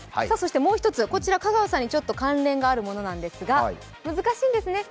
もう一つ、香川さんに関連があるものなんですが難しいんですね。